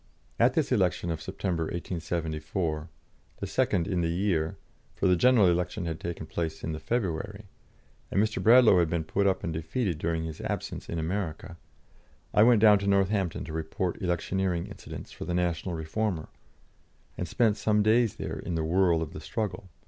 At this election of September, 1874 the second in the year, for the general election had taken place in the February, and Mr. Bradlaugh had been put up and defeated during his absence in America I went down to Northampton to report electioneering incidents for the National Reformer, and spent some days there in the whirl of the struggle.